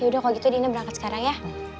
yaudah kalau gitu dina berangkat sekarang ya